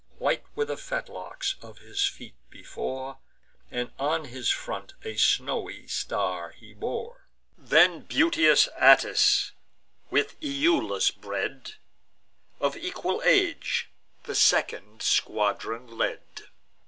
White were the fetlocks of his feet before, And on his front a snowy star he bore. Then beauteous Atys, with Iulus bred, Of equal age, the second squadron led.